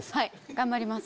頑張ります。